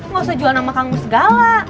gak usah jualan sama kang mus segala